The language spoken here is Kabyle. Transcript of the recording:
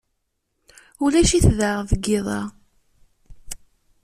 Ulac-it da deg yiḍ-a.